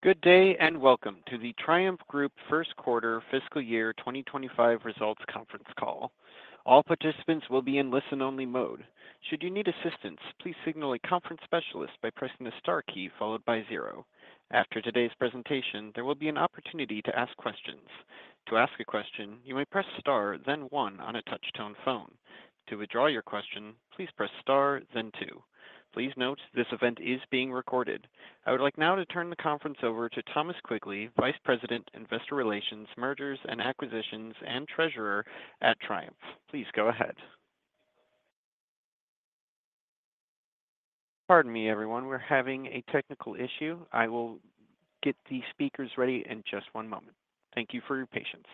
Good day, and Welcome to the Triumph Group First Quarter Fiscal Year 2025 Results Conference Call. All participants will be in listen-only mode. Should you need assistance, please signal a conference specialist by pressing the star key followed by zero. After today's presentation, there will be an opportunity to ask questions. To ask a question, you may press star then one on a touch-tone phone. To withdraw your question, please press star then two. Please note, this event is being recorded. I would like now to turn the conference over to Thomas Quigley, Vice President, Investor Relations, Mergers and Acquisitions, and Treasurer at Triumph. Please go ahead. Pardon me, everyone. We're having a technical issue. I will get the speakers ready in just one moment. Thank you for your patience.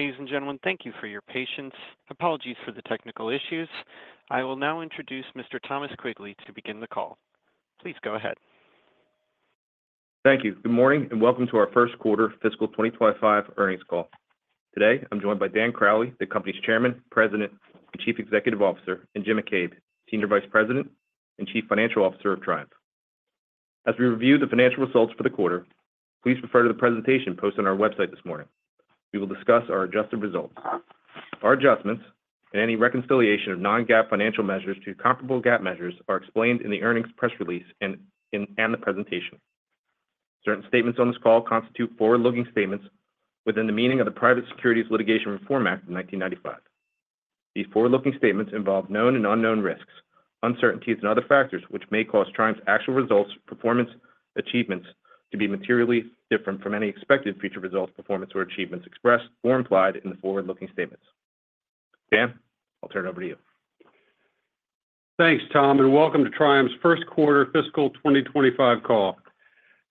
Ladies and gentlemen, thank you for your patience. Apologies for the technical issues. I will now introduce Mr. Thomas Quigley to begin the call. Please go ahead. Thank you. Good morning, and Welcome to our First Quarter Fiscal 2025 Earnings Call. Today, I'm joined by Dan Crowley, the company's Chairman, President, and Chief Executive Officer, and Jim McCabe, Senior Vice President and Chief Financial Officer of Triumph. As we review the financial results for the quarter, please refer to the presentation posted on our website this morning. We will discuss our adjusted results. Our adjustments and any reconciliation of non-GAAP financial measures to comparable GAAP measures are explained in the earnings press release and in the presentation. Certain statements on this call constitute forward-looking statements within the meaning of the Private Securities Litigation Reform Act of 1995. These forward-looking statements involve known and unknown risks, uncertainties, and other factors, which may cause Triumph's actual results, performance, achievements to be materially different from any expected future results, performance, or achievements expressed or implied in the forward-looking statements. Dan, i'll turn it over to you. Thanks, Tom, and welcome to Triumph's first quarter fiscal 2025 call.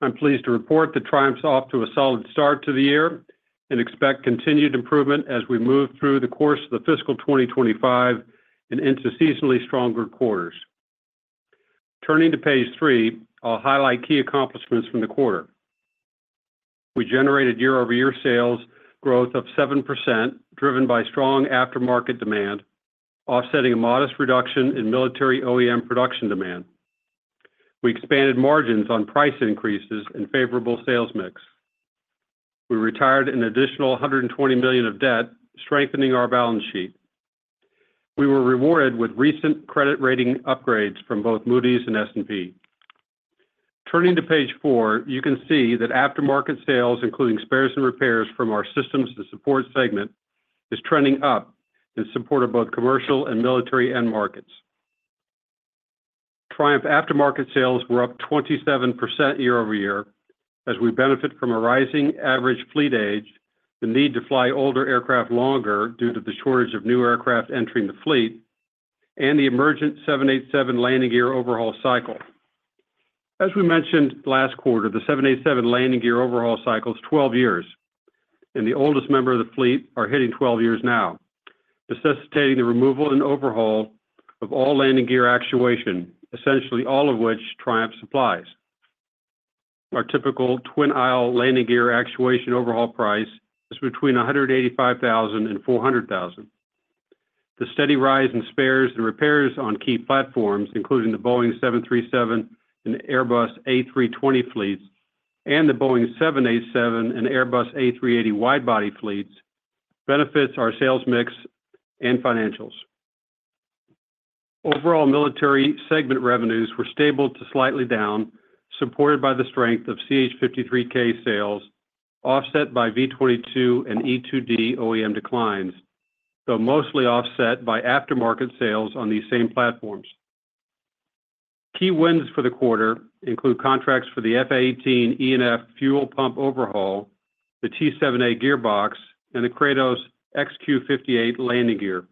I'm pleased to report that Triumph's off to a solid start to the year and expect continued improvement as we move through the course of the fiscal 2025 and into seasonally stronger quarters. Turning to page 3, I'll highlight key accomplishments from the quarter. We generated year-over-year sales growth of 7%, driven by strong aftermarket demand, offsetting a modest reduction in military OEM production demand. We expanded margins on price increases and favorable sales mix. We retired an additional $120 million of debt, strengthening our balance sheet. We were rewarded with recent credit rating upgrades from both Moody's and S&P. Turning to page four, you can see that aftermarket sales, including spares and repairs from our Systems & Support segment, is trending up in support of both commercial and military end markets. Triumph aftermarket sales were up 27% year-over-year, as we benefit from a rising average fleet age, the need to fly older aircraft longer due to the shortage of new aircraft entering the fleet, and the emergent 787 landing gear overhaul cycle. As we mentioned last quarter, the 787 landing gear overhaul cycle is 12 years, and the oldest member of the fleet are hitting 12 years now, necessitating the removal and overhaul of all landing gear actuation, essentially all of which Triumph supplies. Our typical twin-aisle landing gear actuation overhaul price is between $185,000 and $400,000. The steady rise in spares and repairs on key platforms, including the Boeing 737 and Airbus A320 fleets and the Boeing 787 and Airbus A380 wide-body fleets, benefits our sales mix and financials. Overall military segment revenues were stable to slightly down, supported by the strength of CH-53K sales, offset by V-22 and E-2D OEM declines, though mostly offset by aftermarket sales on these same platforms. Key wins for the quarter include contracts for the F/A-18E/F fuel pump overhaul, the T-7A gearbox, and the Kratos XQ-58 landing gear,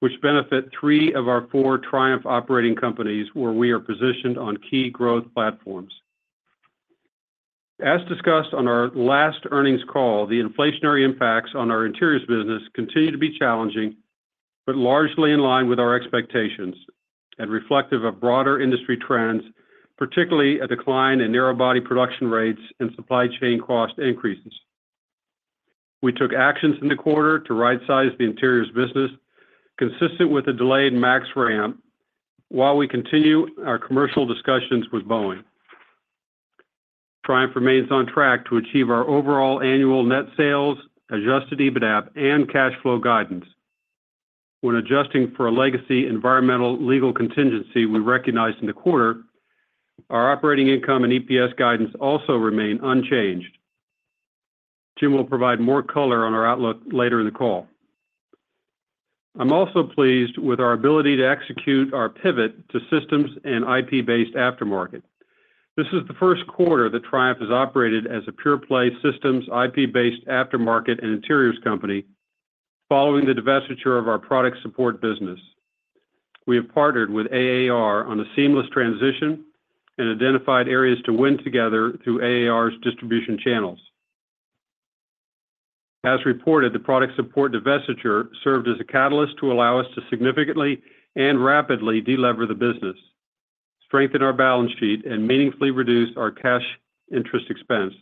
which benefit three of our four Triumph operating companies, where we are positioned on key growth platforms. As discussed on our last earnings call, the inflationary impacts on our interiors business continue to be challenging, but largely in line with our expectations and reflective of broader industry trends, particularly a decline in narrow-body production rates and supply chain cost increases. We took actions in the quarter to rightsize the interiors business, consistent with the delayed MAX ramp, while we continue our commercial discussions with Boeing. Triumph remains on track to achieve our overall annual net sales, adjusted EBITDA, and cash flow guidance. When adjusting for a legacy environmental legal contingency we recognized in the quarter, our operating income and EPS guidance also remain unchanged. Jim will provide more color on our outlook later in the call. I'm also pleased with our ability to execute our pivot to systems and IP-based aftermarket. This is the first quarter that Triumph has operated as a pure-play systems, IP-based, aftermarket, and interiors company, following the divestiture of our Product Support business. We have partnered with AAR on a seamless transition and identified areas to win together through AAR's distribution channels. As reported, the Product Support divestiture served as a catalyst to allow us to significantly and rapidly de-lever the business, strengthen our balance sheet, and meaningfully reduce our cash interest expense.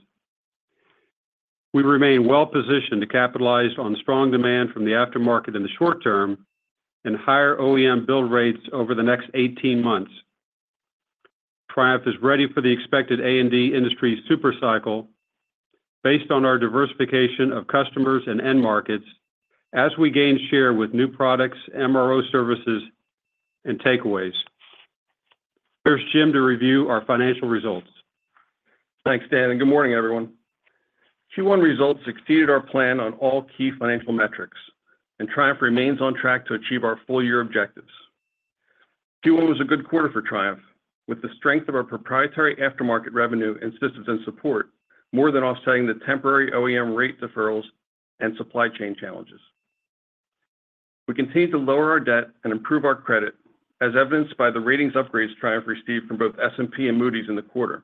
We remain well-positioned to capitalize on strong demand from the aftermarket in the short term and higher OEM build rates over the next 18 months. Triumph is ready for the expected A&D industry super cycle based on our diversification of customers and end markets as we gain share with new products, MRO services, and takeaways. Here's Jim to review our financial results. Thanks, Dan, and good morning, everyone. Q1 results exceeded our plan on all key financial metrics, and Triumph remains on track to achieve our full year objectives. Q1 was a good quarter for Triumph, with the strength of our proprietary aftermarket revenue and Systems and Support more than offsetting the temporary OEM rate deferrals and supply chain challenges. We continue to lower our debt and improve our credit, as evidenced by the ratings upgrades Triumph received from both S&P and Moody's in the quarter.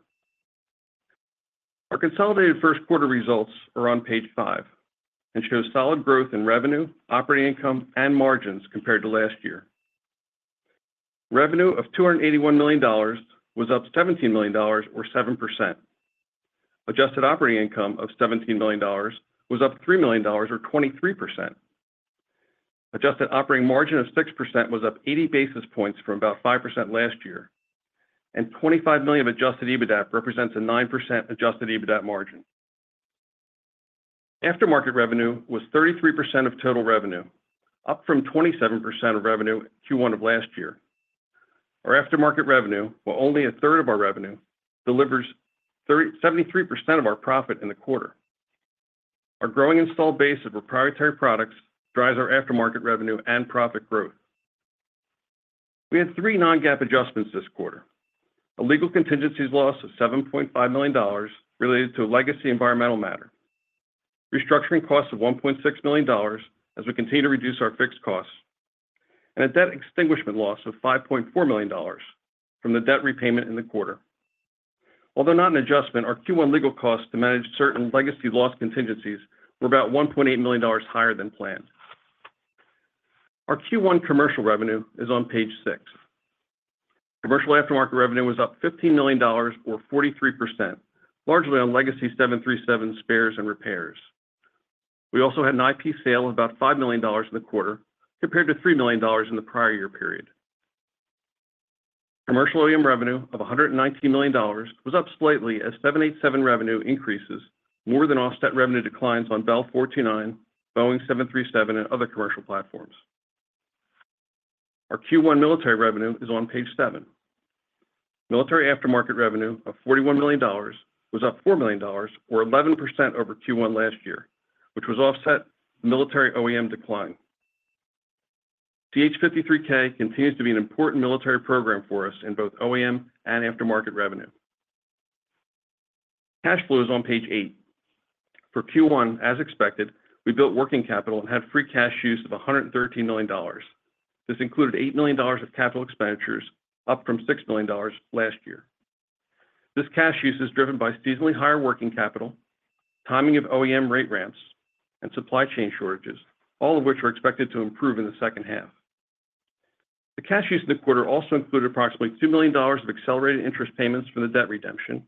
Our consolidated first quarter results are on page five and show solid growth in revenue, operating income, and margins compared to last year. Revenue of $281 million was up $17 million or 7%. Adjusted operating income of $17 million was up $3 million or 23%. Adjusted operating margin of 6% was up 80 basis points from about 5% last year, and $25 million of adjusted EBITDA represents a 9% adjusted EBITDA margin. Aftermarket revenue was 33% of total revenue, up from 27% of revenue in Q1 of last year. Our aftermarket revenue, while only a third of our revenue, delivers 37% of our profit in the quarter. Our growing installed base of proprietary products drives our aftermarket revenue and profit growth. We had three non-GAAP adjustments this quarter. A legal contingencies loss of $7.5 million related to a legacy environmental matter. Restructuring costs of $1.6 million, as we continue to reduce our fixed costs, and a debt extinguishment loss of $5.4 million from the debt repayment in the quarter. Although not an adjustment, our Q1 legal costs to manage certain legacy loss contingencies were about $1.8 million higher than planned. Our Q1 commercial revenue is on page 6. Commercial aftermarket revenue was up $15 million or 43%, largely on legacy 737 spares and repairs. We also had an IP sale of about $5 million in the quarter, compared to $3 million in the prior year period. Commercial OEM revenue of $119 million was up slightly as 787 revenue increases more than offset revenue declines on Bell 429, Boeing 737, and other commercial platforms. Our Q1 military revenue is on page 7. Military aftermarket revenue of $41 million was up $4 million or 11% over Q1 last year, which was offset military OEM decline. CH-53K continues to be an important military program for us in both OEM and aftermarket revenue. Cash flow is on page eight. For Q1, as expected, we built working capital and had free cash use of $113 million. This included $8 million of capital expenditures, up from $6 million last year. This cash use is driven by seasonally higher working capital, timing of OEM rate ramps, and supply chain shortages, all of which are expected to improve in the second half. The cash use in the quarter also included approximately $2 million of accelerated interest payments for the debt redemption,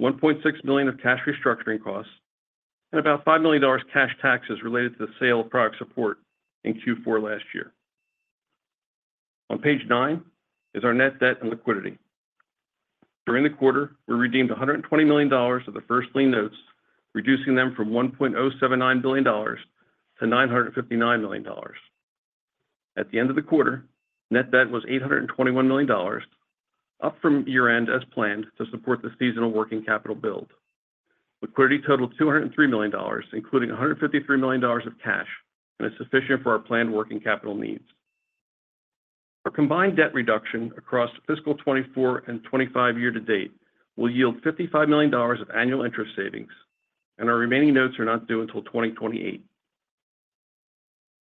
$1.6 million of cash restructuring costs, and about $5 million cash taxes related to the sale of Product Support in Q4 last year. On page nine is our net debt and liquidity. During the quarter, we redeemed $120 million of the first lien notes, reducing them from $1.079 billion to $959 million. At the end of the quarter, net debt was $821 million, up from year-end as planned to support the seasonal working capital build. Liquidity totaled $203 million, including $153 million of cash, and is sufficient for our planned working capital needs. Our combined debt reduction across fiscal 2024 and 2025 year to date will yield $55 million of annual interest savings, and our remaining notes are not due until 2028.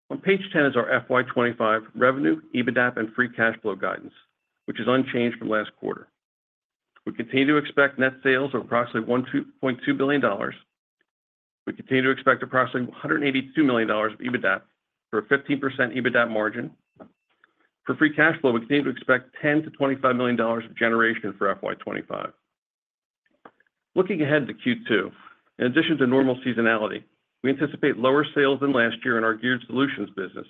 On page 10 is our FY 2025 revenue, EBITDA, and free cash flow guidance, which is unchanged from last quarter. We continue to expect net sales of approximately $1.2 billion. We continue to expect approximately $182 million of EBITDA for a 15% EBITDA margin. For free cash flow, we continue to expect $10 million-$25 million of generation for FY 2025. Looking ahead to Q2, in addition to normal seasonality, we anticipate lower sales than last year in our Geared Solutions business,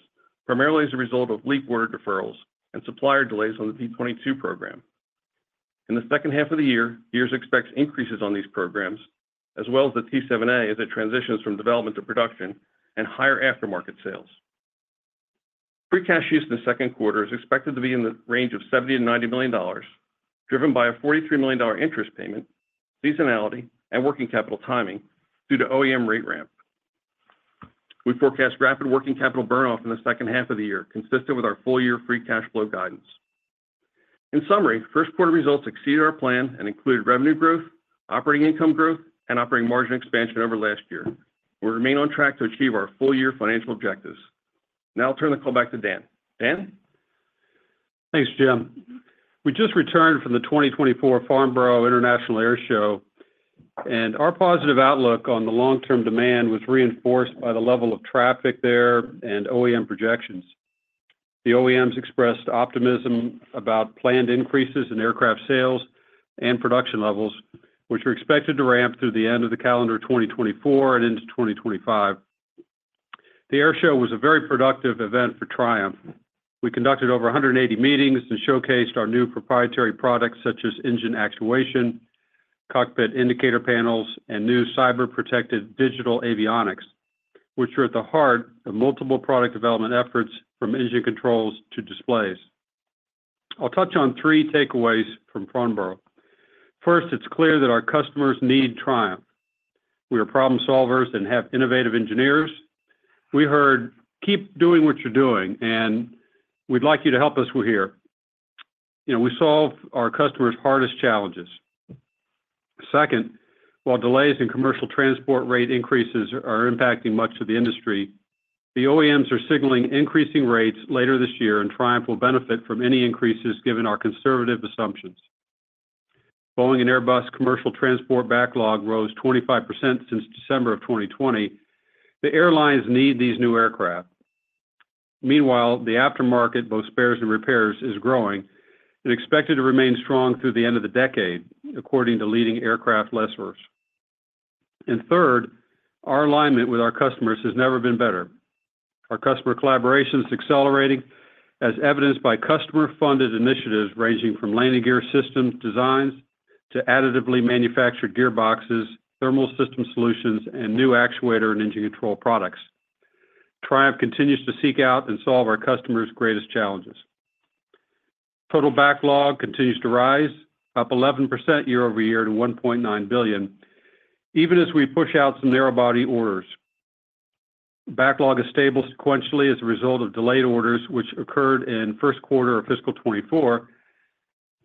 primarily as a result of LEAP order deferrals and supplier delays on the V-22 program. In the second half of the year, Gears expects increases on these programs, as well as the T-7A as it transitions from development to production and higher aftermarket sales. Free cash use in the second quarter is expected to be in the range of $70 million-$90 million, driven by a $43 million interest payment, seasonality, and working capital timing due to OEM rate ramp. We forecast rapid working capital burn off in the second half of the year, consistent with our full year free cash flow guidance. In summary, first quarter results exceeded our plan and included revenue growth, operating income growth, and operating margin expansion over last year. We remain on track to achieve our full year financial objectives. Now I'll turn the call back to Dan. Dan? Thanks, Jim. We just returned from the 2024 Farnborough International Air Show, and our positive outlook on the long-term demand was reinforced by the level of traffic there and OEM projections. The OEMs expressed optimism about planned increases in aircraft sales and production levels, which are expected to ramp through the end of the calendar 2024 and into 2025. The air show was a very productive event for Triumph. We conducted over 180 meetings and showcased our new proprietary products, such as engine actuation, cockpit indicator panels, and new cyber-protected digital avionics, which are at the heart of multiple product development efforts, from Engine Controls to displays. I'll touch on three takeaways from Farnborough. First, it's clear that our customers need Triumph. We are problem solvers and have innovative engineers. We heard, "Keep doing what you're doing," and, "We'd like you to help us with here." You know, we solve our customers' hardest challenges. Second, while delays in commercial transport rate increases are impacting much of the industry, the OEMs are signaling increasing rates later this year, and Triumph will benefit from any increases given our conservative assumptions. Boeing and Airbus commercial transport backlog rose 25% since December of 2020. The airlines need these new aircraft. Meanwhile, the aftermarket, both spares and repairs, is growing and expected to remain strong through the end of the decade, according to leading aircraft lessors. And third, our alignment with our customers has never been better. Our customer collaboration is accelerating, as evidenced by customer-funded initiatives ranging from landing gear systems designs to additively manufactured gearboxes, thermal system solutions, and new actuator and engine control products. Triumph continues to seek out and solve our customers' greatest challenges. Total backlog continues to rise, up 11% year-over-year to $1.9 billion, even as we push out some narrow-body orders. Backlog is stable sequentially as a result of delayed orders, which occurred in first quarter of fiscal 2024,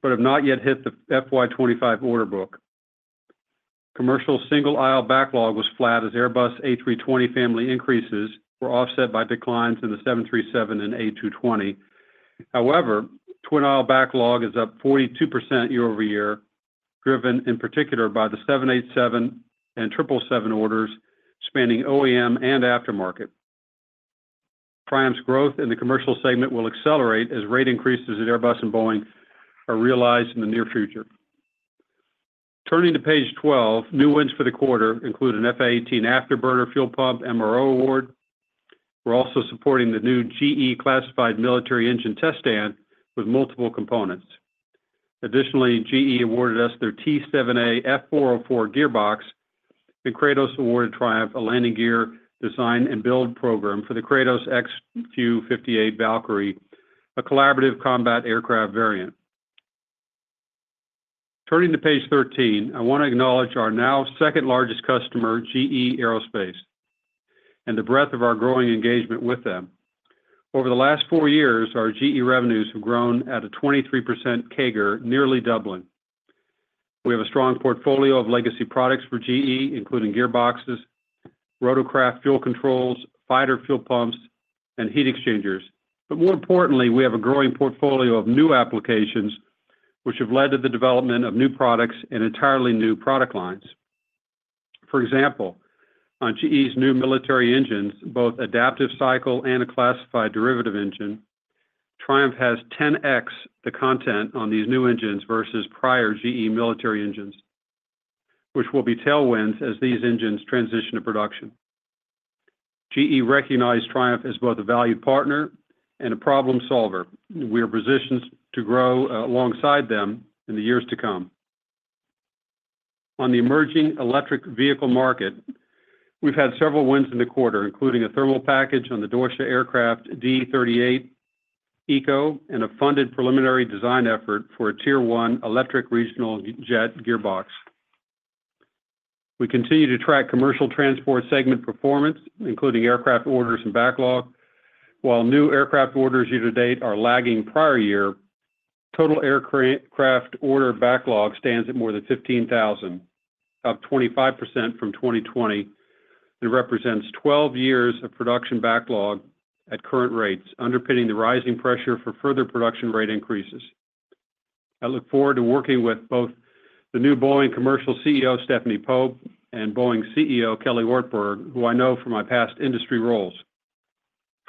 but have not yet hit the FY 2025 order book. Commercial single-aisle backlog was flat as Airbus A320 Family increases were offset by declines in the 737 and A220. However, twin-aisle backlog is up 42% year-over-year, driven in particular by the 787 and 777 orders, spanning OEM and aftermarket. Triumph's growth in the commercial segment will accelerate as rate increases at Airbus and Boeing are realized in the near future. Turning to page 12, new wins for the quarter include an F/A-18 afterburner fuel pump MRO award. We're also supporting the new GE Aerospace classified military engine test stand with multiple components. Additionally, GE Aerospace awarded us their T-7A F404 gearbox, and Kratos awarded Triumph a landing gear design and build program for the Kratos XQ-58 Valkyrie, a Collaborative Combat Aircraft variant. Turning to page 13, I want to acknowledge our now second-largest customer, GE Aerospace, and the breadth of our growing engagement with them. Over the last 4 years, our GE Aerospace revenues have grown at a 23% CAGR, nearly doubling. We have a strong portfolio of legacy products for GE Aerospace, including gearboxes, rotorcraft, fuel controls, fighter fuel pumps, and heat exchangers. But more importantly, we have a growing portfolio of new applications, which have led to the development of new products and entirely new product lines. For example, on GE's new military engines, both adaptive cycle and a classified derivative engine, Triumph has 10x the content on these new engines versus prior GE military engines, which will be tailwinds as these engines transition to production. GE recognized Triumph as both a valued partner and a problem solver. We are positioned to grow alongside them in the years to come. On the emerging electric vehicle market, we've had several wins in the quarter, including a thermal package on the Deutsche Aircraft D328eco, and a funded preliminary design effort for a tier-one electric regional jet gearbox. We continue to track commercial transport segment performance, including aircraft orders and backlog, while new aircraft orders year to date are lagging prior year. Total aircraft order backlog stands at more than 15,000, up 25% from 2020, and represents 12 years of production backlog at current rates, underpinning the rising pressure for further production rate increases. I look forward to working with both the new Boeing commercial CEO, Stephanie Pope, and Boeing CEO, Kelly Ortberg, who I know from my past industry roles.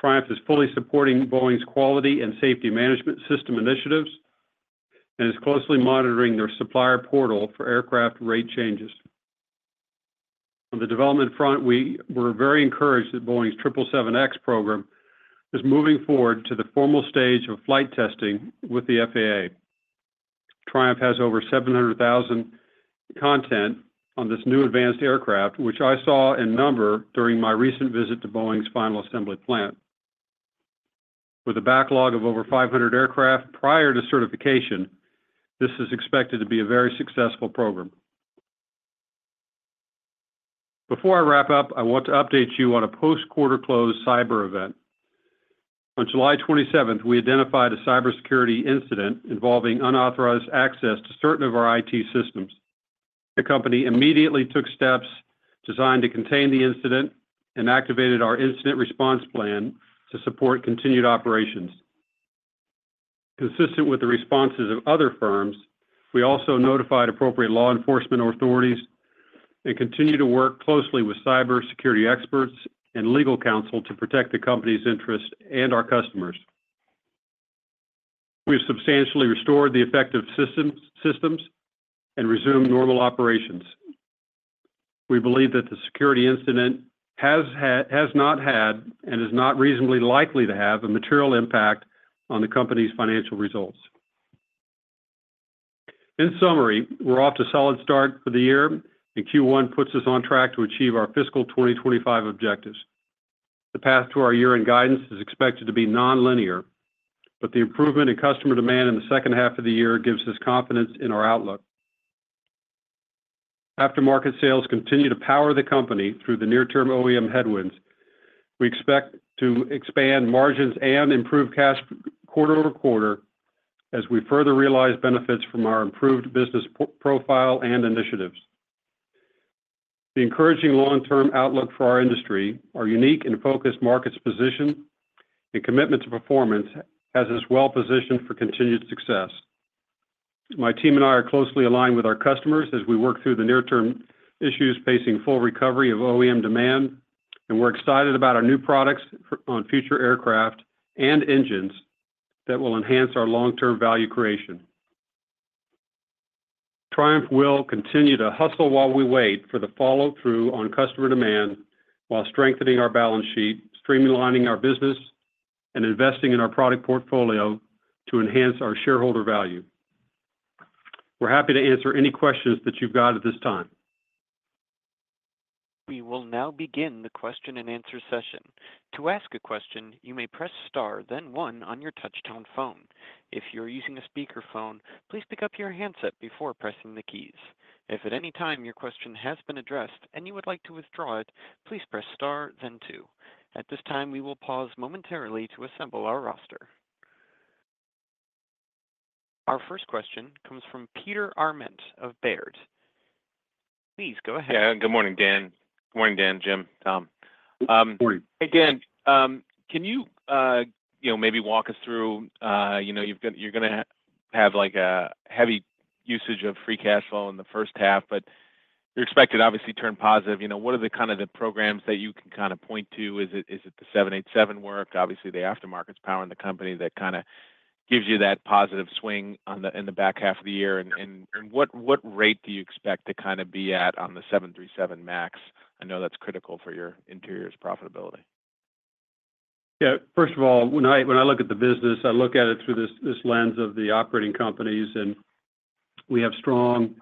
Triumph is fully supporting Boeing's quality and safety management system initiatives, and is closely monitoring their supplier portal for aircraft rate changes. On the development front, we're very encouraged that Boeing's 777X program is moving forward to the formal stage of flight testing with the FAA. Triumph has over 700,000 content on this new advanced aircraft, which I saw in number during my recent visit to Boeing's final assembly plant. With a backlog of over 500 aircraft prior to certification, this is expected to be a very successful program. Before I wrap up, I want to update you on a post-quarter close cyber event. On July twenty-seventh, we identified a cybersecurity incident involving unauthorized access to certain of our IT systems. The company immediately took steps designed to contain the incident and activated our incident response plan to support continued operations. Consistent with the responses of other firms, we also notified appropriate law enforcement authorities and continue to work closely with cybersecurity experts and legal counsel to protect the company's interests and our customers. We've substantially restored the affected systems and resumed normal operations. We believe that the security incident has not had, and is not reasonably likely to have, a material impact on the company's financial results. In summary, we're off to a solid start for the year, and Q1 puts us on track to achieve our fiscal 2025 objectives. The path to our year-end guidance is expected to be nonlinear, but the improvement in customer demand in the second half of the year gives us confidence in our outlook. Aftermarket sales continue to power the company through the near-term OEM headwinds. We expect to expand margins and improve cash quarter over quarter as we further realize benefits from our improved business profile and initiatives. The encouraging long-term outlook for our industry, our unique and focused markets position, and commitment to performance has us well positioned for continued success. My team and I are closely aligned with our customers as we work through the near-term issues facing full recovery of OEM demand, and we're excited about our new products on future aircraft and engines that will enhance our long-term value creation. Triumph will continue to hustle while we wait for the follow-through on customer demand, while strengthening our balance sheet, streamlining our business, and investing in our product portfolio to enhance our shareholder value. We're happy to answer any questions that you've got at this time. We will now begin the question and answer session. To ask a question, you may press star, then one on your touch-tone phone. If you're using a speakerphone, please pick up your handset before pressing the keys. If at any time your question has been addressed and you would like to withdraw it, please press star, then two. At this time, we will pause momentarily to assemble our roster. Our first question comes from Peter Arment of Baird. Please go ahead. Yeah, good morning, Dan. Good morning, Dan, Jim, Tom. Good morning. Hey, Dan, can you, you know, maybe walk us through, you know, you've got, you're gonna have, like, a heavy usage of free cash flow in the first half, but you're expected obviously turn positive. You know, what are the kind of programs that you can kind of point to? Is it the 787 work? Obviously, the aftermarket's powering the company that kind of gives you that positive swing in the back half of the year. And what rate do you expect to kind of be at on the 737 MAX? I know that's critical for your interiors profitability. Yeah. First of all, when I look at the business, I look at it through this lens of the operating companies, and we have strong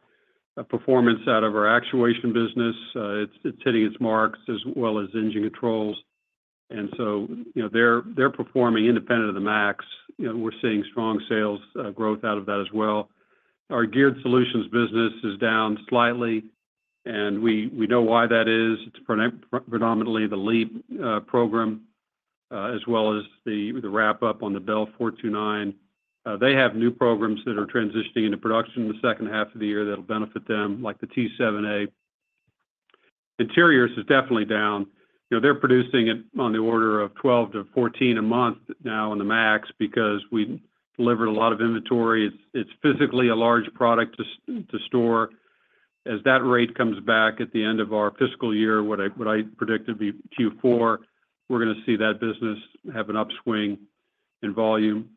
performance out of our actuation business. It's hitting its marks as well as engine controls. And so, you know, they're performing independent of the MAX. You know, we're seeing strong sales growth out of that as well. Our geared solutions business is down slightly, and we know why that is. It's predominantly the LEAP program as well as the wrap-up on the Bell 429. They have new programs that are transitioning into production in the second half of the year that'll benefit them, like the T-7A. Interiors is definitely down. You know, they're producing it on the order of 12-14 a month now on the MAX because we delivered a lot of inventory. It's physically a large product to store. As that rate comes back at the end of our fiscal year, what I predict it'd be Q4, we're gonna see that business have an upswing in volume.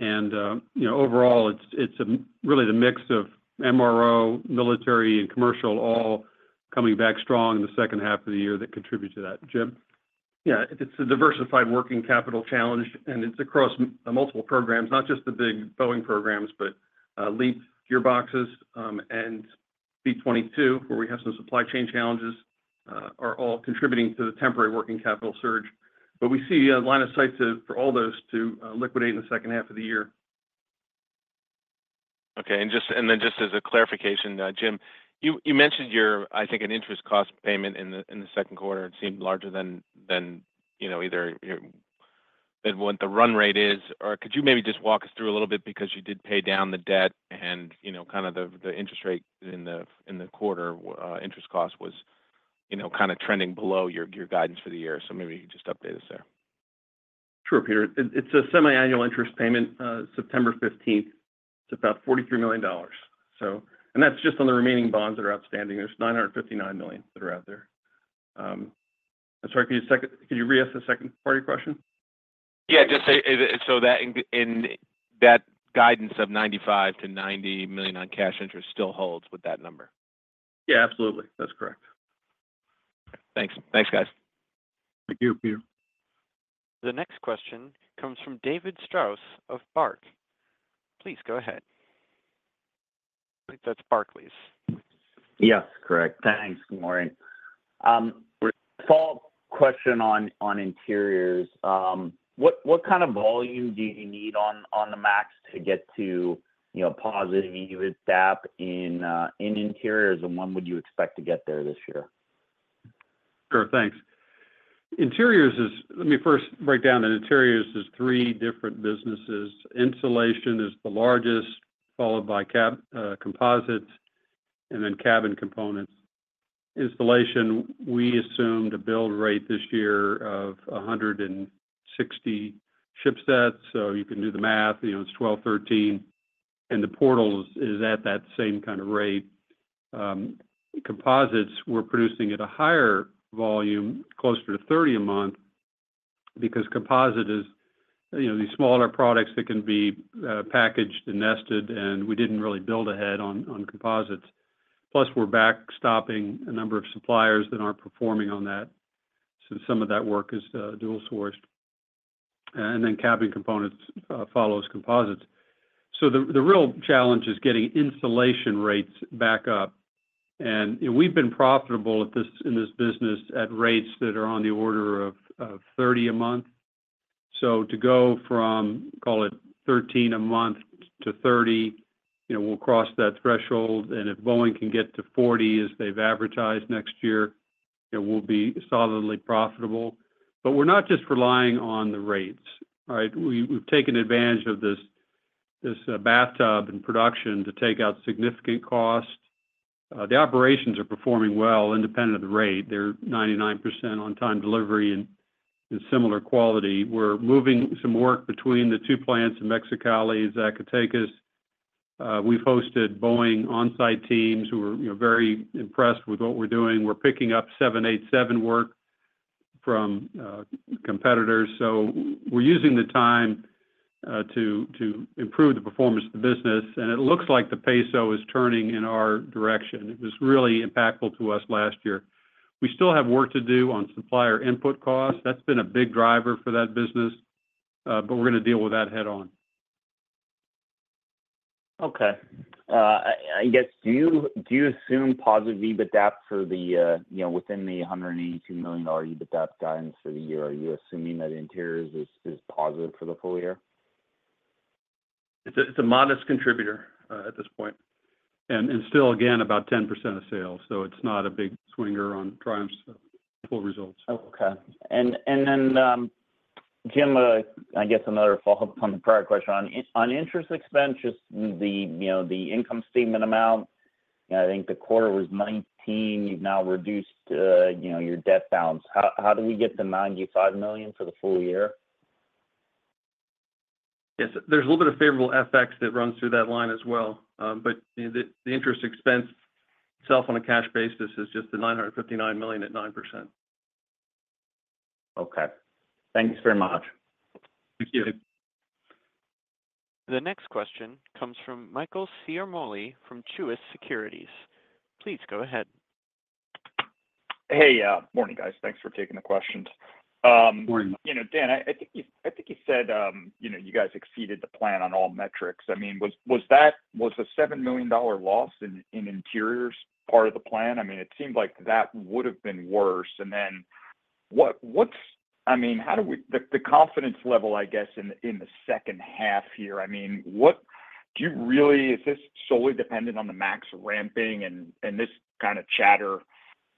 And, you know, overall, it's really the mix of MRO, military, and commercial all coming back strong in the second half of the year that contribute to that. Jim? Yeah, it's a diversified working capital challenge, and it's across multiple programs, not just the big Boeing programs, but LEAP, gearboxes, and V-22, where we have some supply chain challenges are all contributing to the temporary working capital surge. But we see a line of sight to, for all those to liquidate in the second half of the year. Okay. And then just as a clarification, Jim, you mentioned, I think, an interest cost payment in the second quarter. It seemed larger than, you know, what the run rate is. Or could you maybe just walk us through a little bit because you did pay down the debt and, you know, kind of the interest rate in the quarter interest cost was, you know, kind of trending below your guidance for the year. So maybe you could just update us there. Sure, Peter. It's a semiannual interest payment, September 15th. It's about $43 million. And that's just on the remaining bonds that are outstanding. There's $959 million that are out there. I'm sorry, could you reask the second part of your question? Yeah, just say, so that in that guidance of $95 million-$90 million on cash interest still holds with that number? Yeah, absolutely. That's correct. Thanks. Thanks, guys. Thank you, Peter. The next question comes from David Strauss of Barclays. Please go ahead. I think that's Barclays. Yes, correct. Thanks. Good morning. Follow-up question on interiors. What kind of volume do you need on the MAX to get to, you know, positive EBITDA in interiors, and when would you expect to get there this year? Sure. Thanks. Interiors is... Let me first break down that Interiors is three different businesses. Insulation is the largest, followed by cabin composites, and then cabin components. Insulation, we assume to build rate this year of 160 ship sets, so you can do the math, you know, it's 12, 13, and the portals is at that same kind of rate. Composites, we're producing at a higher volume, closer to 30 a month, because composite is, you know, these smaller products that can be packaged and nested, and we didn't really build ahead on, on composites. Plus, we're back stopping a number of suppliers that aren't performing on that. So some of that work is dual sourced, and then cabin components follows composites. So the real challenge is getting installation rates back up, and we've been profitable at this—in this business at rates that are on the order of 30 a month. So to go from, call it 13 a month to 30, you know, we'll cross that threshold, and if Boeing can get to 40, as they've advertised next year, it will be solidly profitable. But we're not just relying on the rates. All right? We've taken advantage of this bathtub in production to take out significant costs. The operations are performing well, independent of the rate. They're 99% on-time delivery and similar quality. We're moving some work between the two plants in Mexicali, Zacatecas. We've hosted Boeing on-site teams who are, you know, very impressed with what we're doing. We're picking up 787 work from competitors, so we're using the time to improve the performance of the business, and it looks like the peso is turning in our direction. It was really impactful to us last year. We still have work to do on supplier input costs. That's been a big driver for that business, but we're gonna deal with that head on. Okay. I guess, do you assume positive EBITDA for the, you know, within the $182 million EBITDA guidance for the year? Are you assuming that Interiors is positive for the full year? It's a modest contributor at this point, and still, again, about 10% of sales, so it's not a big swinger on Triumph's full results. Okay. And then, Jim, I guess another follow-up on the prior question. On interest expense, just the, you know, the income statement amount, I think the quarter was $19 million, you've now reduced, you know, your debt balance. How do we get to $95 million for the full year? Yes. There's a little bit of favorable FX that runs through that line as well. But the interest expense itself on a cash basis is just the $959 million at 9%. Okay. Thank you very much. Thank you. The next question comes from Michael Ciarmolli from Truist Securities. Please go ahead. Hey, morning, guys. Thanks for taking the questions. Morning. You know, Dan, I, I think you, I think you said, you know, you guys exceeded the plan on all metrics. I mean, was that - was the $7 million loss in interiors part of the plan? I mean, it seemed like that would have been worse. And then what, what's... I mean, how do we - the confidence level, I guess, in the second half here, I mean, what - do you really, is this solely dependent on the MAX ramping and this kind of chatter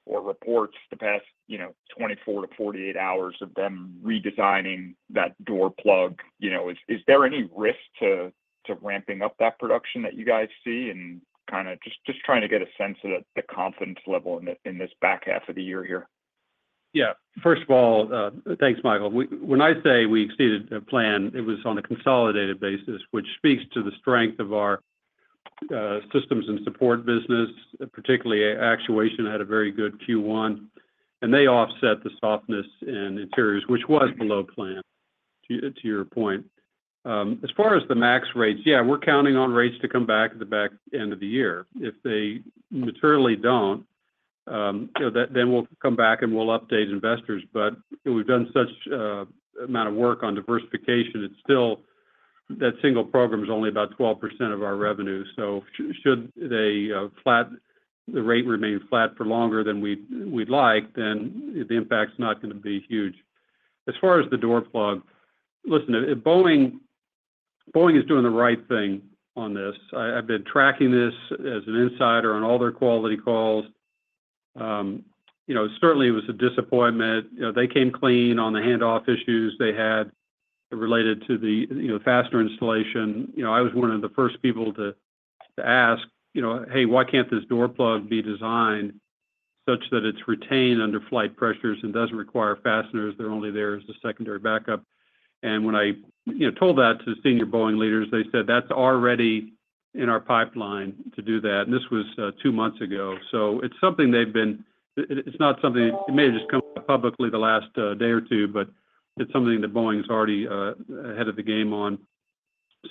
or reports the past, you know, 24-48 hours of them redesigning that door plug? You know, is there any risk to ramping up that production that you guys see? And kind of just trying to get a sense of the confidence level in this back half of the year here. Yeah. First of all, thanks, Michael. When I say we exceeded the plan, it was on a consolidated basis, which speaks to the strength of our systems and support business. Particularly, Actuation had a very good Q1, and they offset the softness in Interiors, which was below plan, to your point. As far as the MAX rates, yeah, we're counting on rates to come back at the back end of the year. If they materially don't, you know, that, then we'll come back and we'll update investors. But we've done such amount of work on diversification, it's still, that single program is only about 12% of our revenue. So should they, the rate remain flat for longer than we'd like, then the impact is not going to be huge. As far as the door plug, listen, Boeing, Boeing is doing the right thing on this. I, I've been tracking this as an insider on all their quality calls. You know, certainly it was a disappointment. You know, they came clean on the handoff issues they had related to the, you know, faster installation. You know, I was one of the first people to, to ask, you know, "Hey, why can't this door plug be designed such that it's retained under flight pressures and doesn't require fasteners? They're only there as a secondary backup." And when I, you know, told that to the senior Boeing leaders, they said, "That's already in our pipeline to do that." And this was two months ago. So it's something they've been. It's not something that may have just come out publicly the last day or two, but it's something that Boeing is already ahead of the game on.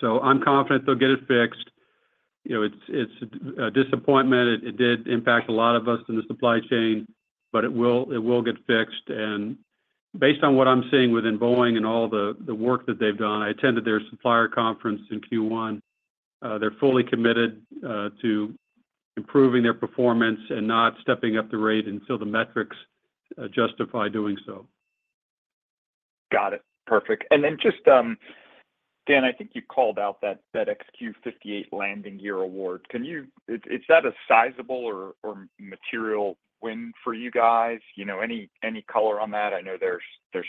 So I'm confident they'll get it fixed. You know, it's a disappointment. It did impact a lot of us in the supply chain, but it will get fixed. And based on what I'm seeing within Boeing and all the work that they've done, I attended their supplier conference in Q1. They're fully committed to improving their performance and not stepping up the rate until the metrics justify doing so. Got it. Perfect. And then just, Dan, I think you called out that XQ-58 landing gear award. Can you? Is that a sizable or material win for you guys? You know, any color on that? I know there's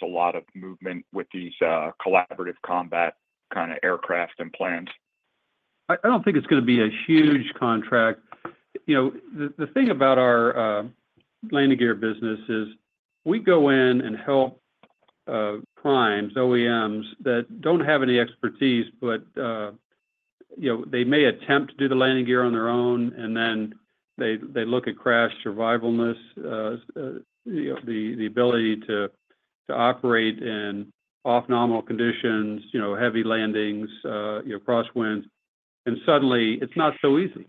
a lot of movement with these collaborative combat kind of aircraft and plans. I don't think it's going to be a huge contract. You know, the thing about our landing gear business is, we go in and help primes, OEMs, that don't have any expertise, but you know, they may attempt to do the landing gear on their own, and then they look at crash survivability, the ability to operate in off-nominal conditions, you know, heavy landings, you know, crosswinds, and suddenly it's not so easy.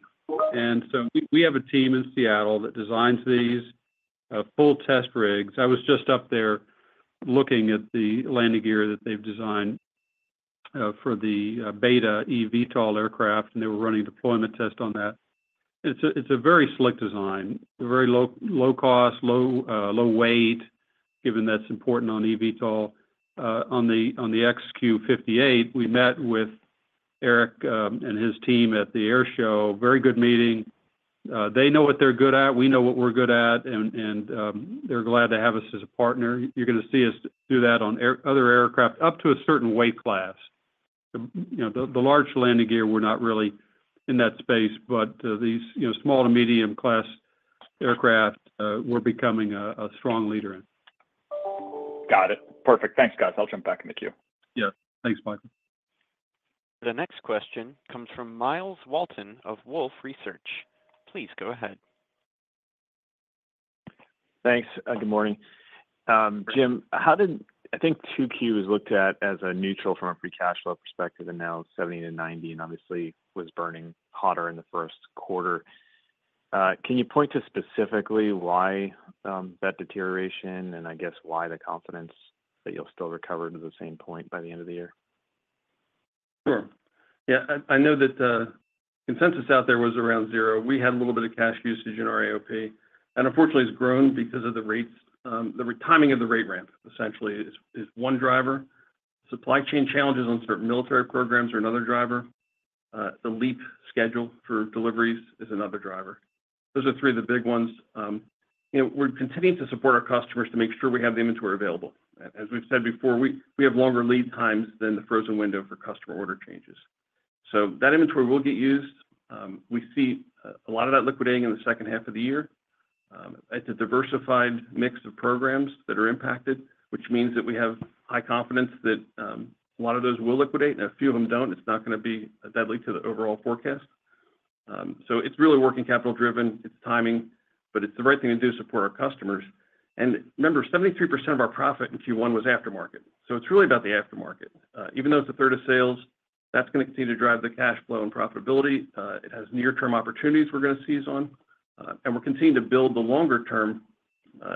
And so we have a team in Seattle that designs these full test rigs. I was just up there looking at the landing gear that they've designed for the Beta eVTOL aircraft, and they were running deployment tests on that. It's a very slick design, a very low cost, low weight, given that's important on eVTOL. On the XQ-58, we met with Eric and his team at the air show. Very good meeting. They know what they're good at, we know what we're good at, and they're glad to have us as a partner. You're going to see us do that on other aircraft up to a certain weight class. You know, the large landing gear, we're not really in that space, but these, you know, small to medium class aircraft, we're becoming a strong leader in. Got it. Perfect. Thanks, guys. I'll jump back in the queue. Yeah. Thanks, Michael. The next question comes from Miles Walton of Wolfe Research. Please go ahead. Thanks, good morning. Jim, I think 2Q was looked at as a neutral from a free cash flow perspective, and now $70-$90, and obviously was burning hotter in the first quarter. Can you point to specifically why that deterioration, and I guess why the confidence that you'll still recover to the same point by the end of the year? Sure. Yeah, I know that the consensus out there was around zero. We had a little bit of cash usage in our AOP, and unfortunately, it's grown because of the rates. The timing of the rate ramp essentially is one driver. Supply chain challenges on certain military programs are another driver. The LEAP schedule for deliveries is another driver. Those are three of the big ones. You know, we're continuing to support our customers to make sure we have the inventory available. As we've said before, we have longer lead times than the frozen window for customer order changes. So that inventory will get used. We see a lot of that liquidating in the second half of the year. It's a diversified mix of programs that are impacted, which means that we have high confidence that a lot of those will liquidate, and a few of them don't. It's not gonna be deadly to the overall forecast. So it's really working capital-driven. It's timing, but it's the right thing to do to support our customers. And remember, 73% of our profit in Q1 was aftermarket, so it's really about the aftermarket. Even though it's a third of sales, that's gonna continue to drive the cash flow and profitability. It has near-term opportunities we're gonna seize on, and we're continuing to build the longer-term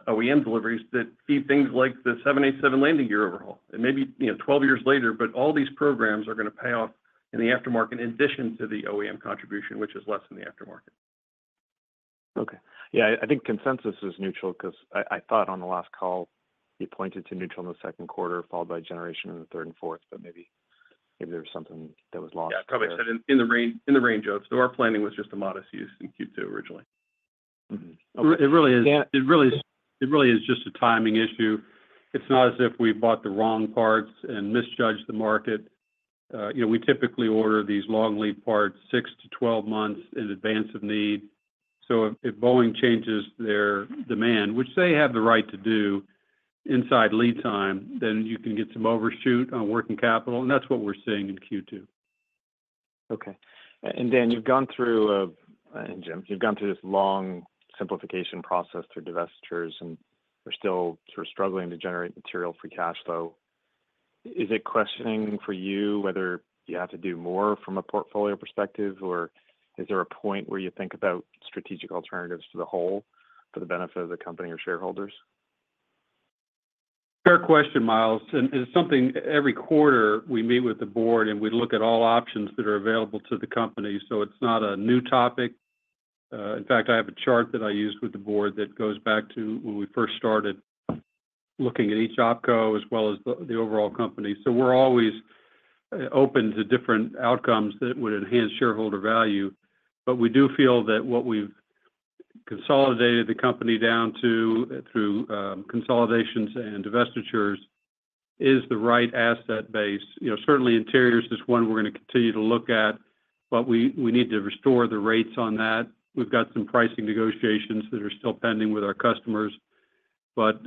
OEM deliveries that feed things like the 787 landing gear overhaul. It may be, you know, 12 years later, but all these programs are gonna pay off in the aftermarket in addition to the OEM contribution, which is less in the aftermarket. Okay. Yeah, I think consensus is neutral, 'cause I, I thought on the last call, you pointed to neutral in the second quarter, followed by generation in the third and fourth, but maybe, maybe there was something that was lost. Yeah, probably I said in the range of. So our planning was just a modest use in Q2 originally. Mm-hmm. It really is- Yeah, it really is, it really is just a timing issue. It's not as if we bought the wrong parts and misjudged the market. You know, we typically order these long lead parts 6-12 months in advance of need. So if, if Boeing changes their demand, which they have the right to do inside lead time, then you can get some overshoot on working capital, and that's what we're seeing in Q2. Okay. Dan, you've gone through, and Jim, you've gone through this long simplification process through divestitures, and you're still sort of struggling to generate material for cash flow. Is it questioning for you whether you have to do more from a portfolio perspective, or is there a point where you think about strategic alternatives to the whole for the benefit of the company or shareholders? Fair question, Miles, and it's something every quarter we meet with the board and we look at all options that are available to the company, so it's not a new topic. In fact, I have a chart that I use with the board that goes back to when we first started looking at each opco as well as the overall company. So we're always open to different outcomes that would enhance shareholder value. But we do feel that what we've consolidated the company down to, through consolidations and divestitures, is the right asset base. You know, certainly interiors is one we're gonna continue to look at, but we need to restore the rates on that. We've got some pricing negotiations that are still pending with our customers. But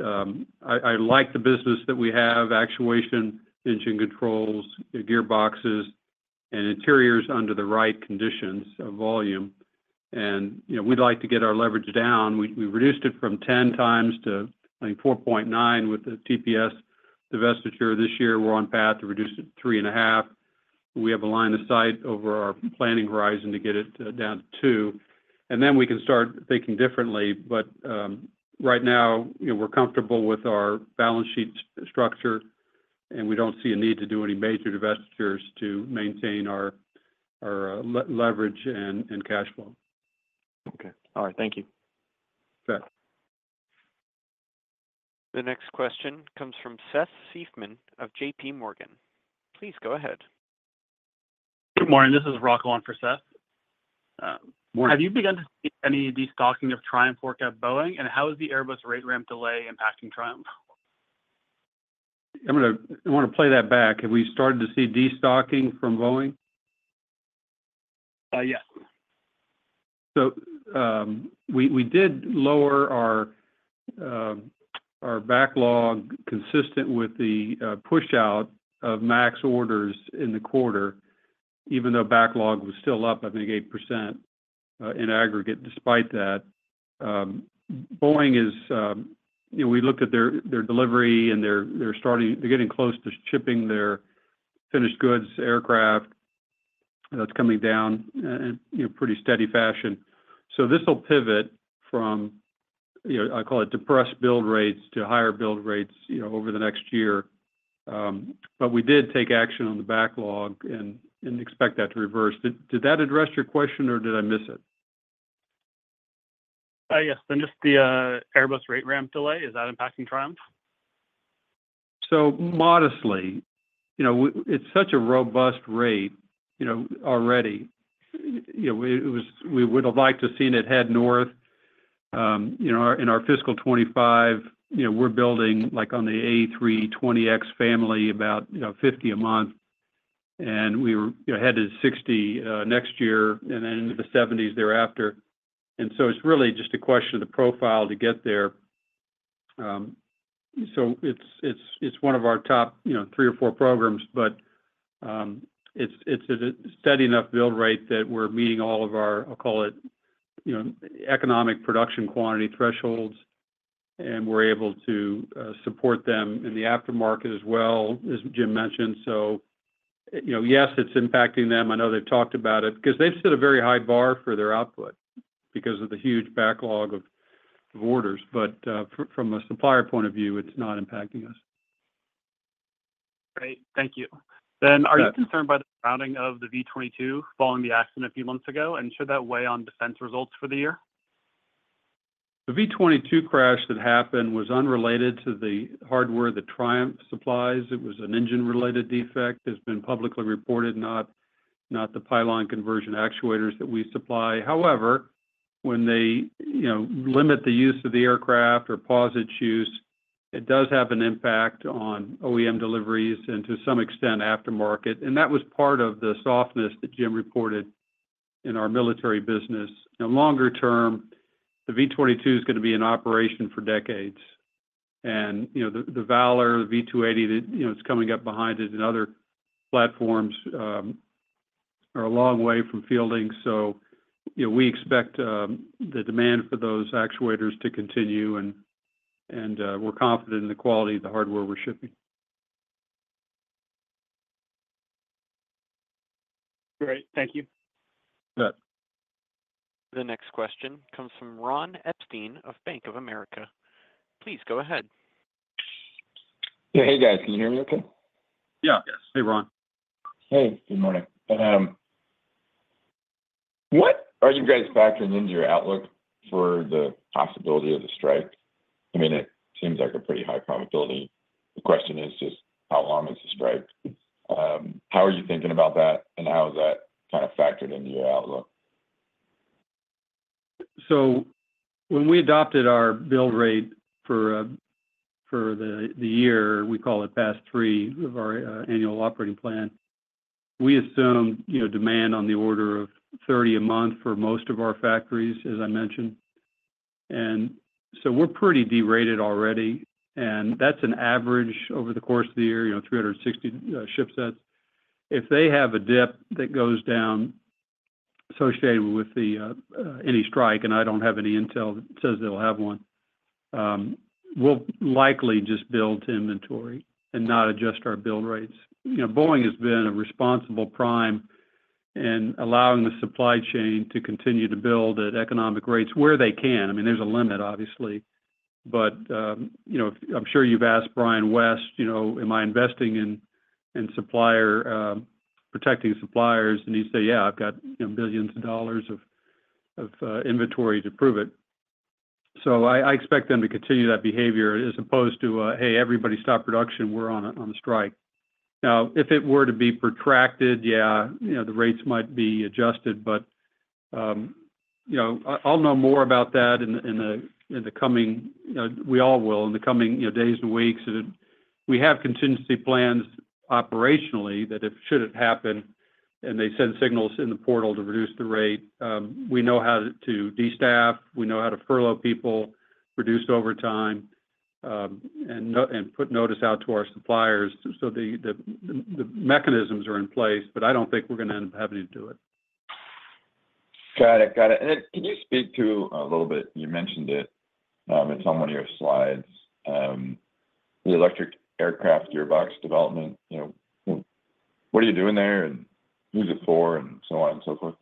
I like the business that we have, actuation, engine controls, gearboxes, and interiors under the right conditions of volume. And, you know, we'd like to get our leverage down. We reduced it from 10x to, I think, 4.9 with the TPS divestiture. This year, we're on path to reduce it to 3.5. We have a line of sight over our planning horizon to get it down to 2, and then we can start thinking differently. But right now, you know, we're comfortable with our balance sheet structure, and we don't see a need to do any major divestitures to maintain our leverage and cash flow. Okay. All right, thank you. Sure. The next question comes from Seth Siefman of J.P. Morgan. Please go ahead. Good morning, this is Rocco on for Seth. Morning. Have you begun to see any destocking of Triumph work at Boeing, and how is the Airbus rate ramp delay impacting Triumph? I'm gonna - I want to play that back. Have we started to see destocking from Boeing? Uh, yes. So, we did lower our backlog consistent with the pushout of MAX orders in the quarter, even though backlog was still up, I think, 8%, in aggregate, despite that. Boeing is... You know, we looked at their delivery, and they're starting—they're getting close to shipping their finished goods aircraft. That's coming down in, you know, pretty steady fashion. So this will pivot from, you know, I call it depressed build rates to higher build rates, you know, over the next year. But we did take action on the backlog and expect that to reverse. Did that address your question or did I miss it? Yes. And just the Airbus rate ramp delay, is that impacting Triumph? So modestly. You know, it's such a robust rate, you know, already. You know, we would have liked to seen it head north. In our fiscal 2025, you know, we're building, like, on the A320 family about, you know, 50 a month, and we were, you know, headed to 60 next year and then into the 70s thereafter. And so it's really just a question of the profile to get there. So it's one of our top, you know, three or four programs, but it's a steady enough build rate that we're meeting all of our, I'll call it, you know, economic production quantity thresholds, and we're able to support them in the aftermarket as well, as Jim mentioned. So, you know, yes, it's impacting them. I know they've talked about it, because they've set a very high bar for their output because of the huge backlog of orders. But, from a supplier point of view, it's not impacting us. Great. Thank you. Yeah. Are you concerned by the grounding of the V-22 following the accident a few months ago? And should that weigh on defense results for the year? The V-22 crash that happened was unrelated to the hardware that Triumph supplies. It was an engine-related defect. It's been publicly reported, not the pylon conversion actuators that we supply. However, when they, you know, limit the use of the aircraft or pause its use, it does have an impact on OEM deliveries, and to some extent, aftermarket, and that was part of the softness that Jim reported in our military business. Now, longer term, the V-22 is gonna be in operation for decades. You know, the Valor, the V-280, that, you know, is coming up behind it and other platforms are a long way from fielding. So, you know, we expect the demand for those actuators to continue, and we're confident in the quality of the hardware we're shipping. Great, thank you. You bet. The next question comes from Ron Epstein of Bank of America. Please go ahead. Yeah. Hey, guys. Can you hear me okay? Yeah. Yes. Hey, Ron. Hey, good morning. What are you guys factoring into your outlook for the possibility of a strike? I mean, it seems like a pretty high probability. The question is just, how long is the strike? How are you thinking about that, and how is that kind of factored into your outlook? So when we adopted our build rate for the year, we call it Pass Three of our annual operating plan, we assumed, you know, demand on the order of 30 a month for most of our factories, as I mentioned. And so we're pretty derated already, and that's an average over the course of the year, you know, 360 ship sets. If they have a dip that goes down associated with any strike, and I don't have any intel that says they'll have one, we'll likely just build to inventory and not adjust our build rates. You know, Boeing has been a responsible prime in allowing the supply chain to continue to build at economic rates where they can. I mean, there's a limit, obviously. But, you know, I'm sure you've asked Brian West, you know, "Am I investing in supplier protecting suppliers?" And he'd say, "Yeah, I've got, you know, billions of dollars of inventory to prove it." So I expect them to continue that behavior as opposed to, "Hey, everybody, stop production, we're on a strike." Now, if it were to be protracted, yeah, you know, the rates might be adjusted, but, you know, I'll know more about that in the coming, you know, we all will, in the coming, you know, days and weeks. And we have contingency plans operationally, that if should it happen, and they send signals in the portal to reduce the rate, we know how to destaff, we know how to furlough people, reduce overtime, and put notice out to our suppliers. So the mechanisms are in place, but I don't think we're gonna end up having to do it. Got it. Got it. And then can you speak to, a little bit, you mentioned it, in some of your slides, the electric aircraft gearbox development, you know, what are you doing there, and who's it for, and so on and so forth?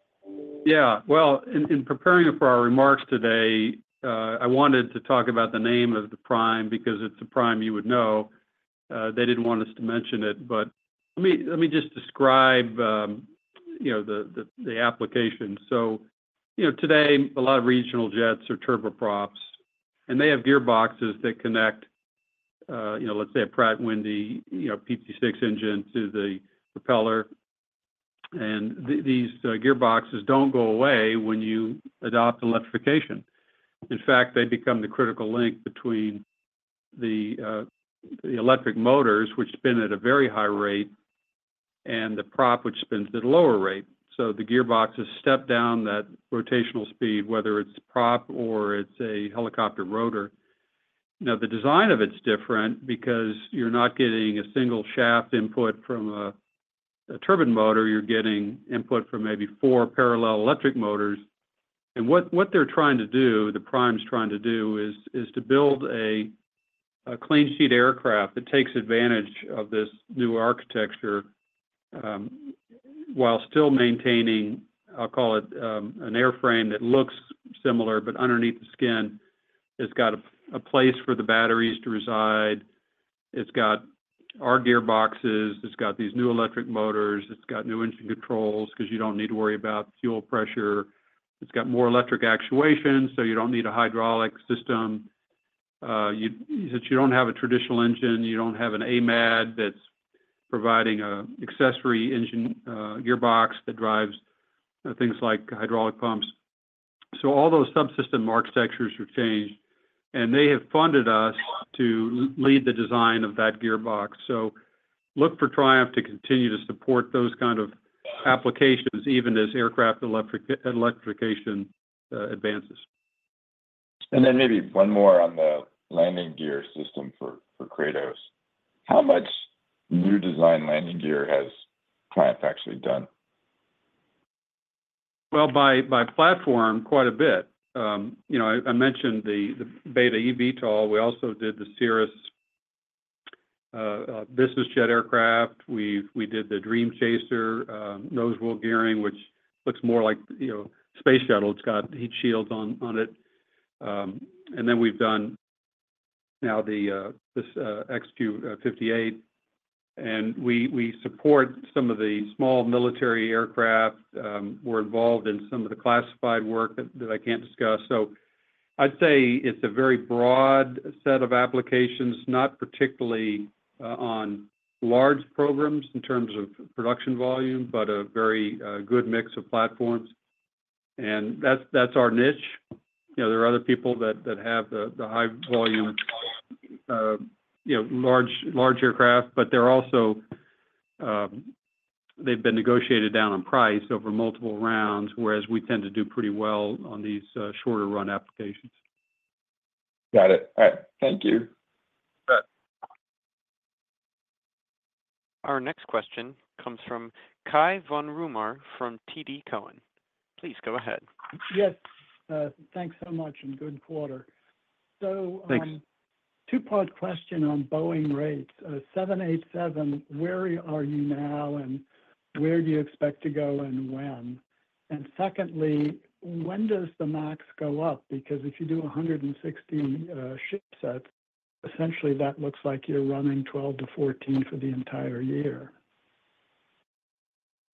Yeah. Well, in preparing for our remarks today, I wanted to talk about the name of the prime because it's a prime you would know. They didn't want us to mention it, but let me just describe, you know, the application. So, you know, today, a lot of regional jets are turboprops, and they have gearboxes that connect, you know, let's say a Pratt & Whitney, you know, PT6 engine to the propeller, and these gearboxes don't go away when you adopt electrification. In fact, they become the critical link between the electric motors, which spin at a very high rate, and the prop, which spins at a lower rate. So the gearboxes step down that rotational speed, whether it's a prop or it's a helicopter rotor. Now, the design of it's different because you're not getting a single shaft input from a turbine motor. You're getting input from maybe four parallel electric motors. And what they're trying to do, the prime's trying to do, is to build a clean sheet aircraft that takes advantage of this new architecture while still maintaining, I'll call it, an airframe that looks similar, but underneath the skin, it's got a place for the batteries to reside. It's got our gearboxes. It's got these new electric motors. It's got new engine controls, because you don't need to worry about fuel pressure. It's got more electric actuation, so you don't need a hydraulic system. Since you don't have a traditional engine, you don't have an AMAD that's providing an accessory engine gearbox that drives things like hydraulic pumps. So all those subsystem architectures are changed, and they have funded us to lead the design of that gearbox. So look for Triumph to continue to support those kind of applications, even as aircraft electrification advances. Then maybe one more on the landing gear system for Kratos. How much new design landing gear has Triumph actually done? Well, by platform, quite a bit. You know, I mentioned the Beta eVTOL. We also did the Cirrus business jet aircraft. We did the Dream Chaser nose wheel gearing, which looks more like, you know, space shuttle. It's got heat shields on it. And then we've done now this XQ-58, and we support some of the small military aircraft. We're involved in some of the classified work that I can't discuss. So I'd say it's a very broad set of applications, not particularly on large programs in terms of production volume, but a very good mix of platforms, and that's our niche. You know, there are other people that have the high volume, you know, large aircraft, but they're also, they've been negotiated down on price over multiple rounds, whereas we tend to do pretty well on these shorter-run applications. Got it. All right. Thank you. You bet. Our next question comes from Cai von Rumohr, from TD Cowen. Please go ahead. Yes, thanks so much, and good quarter. Thanks. So, two-part question on Boeing rates. 787, where are you now, and where do you expect to go, and when? And secondly, when does the MAX go up? Because if you do 160 shipsets, essentially, that looks like you're running 12-14 for the entire year.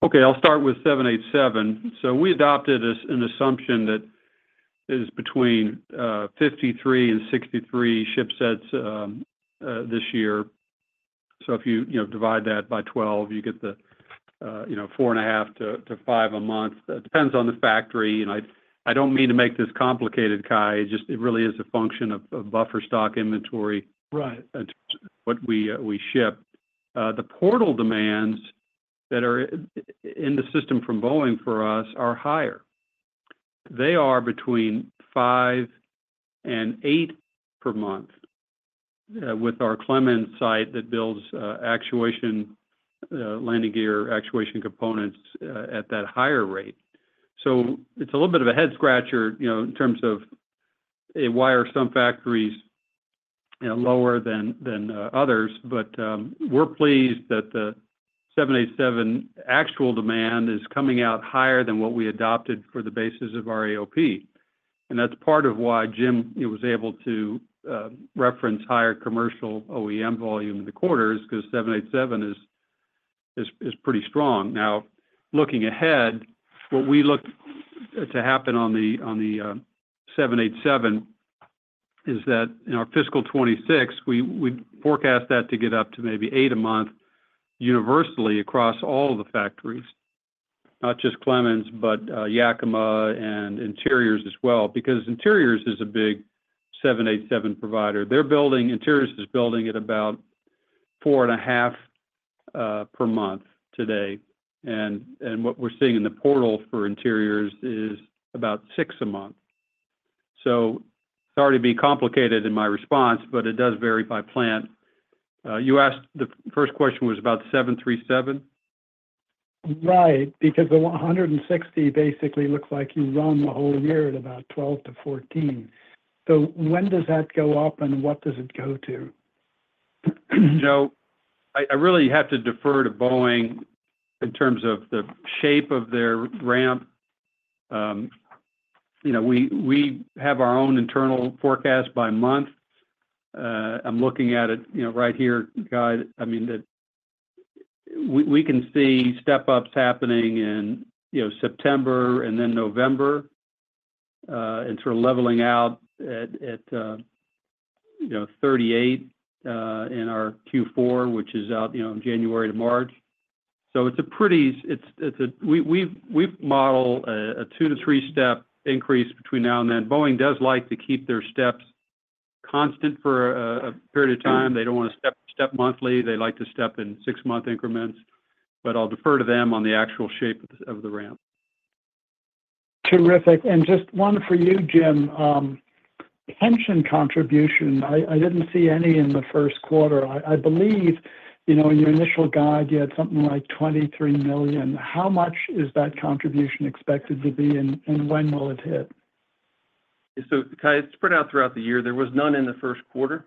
Okay, I'll start with 787. So we adopted as an assumption that is between 53 and 63 shipsets this year. So if you, you know, divide that by 12, you get the, you know, 4.5 to five a month. It depends on the factory, and I, I don't mean to make this complicated, Cai, it just, it really is a function of buffer stock inventory- Right In terms of what we ship. The portal demands that are in the system from Boeing for us are higher. They are between 5 and 8 per month, with our Clemmons site that builds, actuation, landing gear, actuation components, at that higher rate. So it's a little bit of a head scratcher, you know, in terms of why are some factories lower than others. But, we're pleased that the 787 actual demand is coming out higher than what we adopted for the basis of our AOP, and that's part of why Jim was able to reference higher commercial OEM volume in the quarter is because 787 is pretty strong. Now, looking ahead, what we look to happen on the 787 is that in our fiscal 2026, we forecast that to get up to maybe 8 a month universally across all the factories, not just Clemmons, but Yakima and Interiors as well, because Interiors is a big 787 provider. They're building, Interiors is building at about 4.5 per month today, and what we're seeing in the portal for Interiors is about 6 a month. So sorry to be complicated in my response, but it does vary by plant. You asked... The first question was about 737? Right. Because the 160 basically looks like you run the whole year at about 12-14. So when does that go up, and what does it go to? So I really have to defer to Boeing in terms of the shape of their ramp. You know, we have our own internal forecast by month. I'm looking at it, you know, right here, Cai. I mean, the. We can see step-ups happening in, you know, September and then November, and sort of leveling out at, you know, 38 in our Q4, which is out, you know, in January to March. So it's a pretty. It's a. We've modeled a 2-3-step increase between now and then. Boeing does like to keep their steps constant for a period of time. They don't want to step monthly. They like to step in six-month increments, but I'll defer to them on the actual shape of the ramp. Terrific. And just one for you, Jim. Pension contribution, I didn't see any in the first quarter. I believe, you know, in your initial guide, you had something like $23 million. How much is that contribution expected to be, and when will it hit? So, Cai, it's spread out throughout the year. There was none in the first quarter.